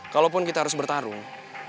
kalaupun kita harus bertarung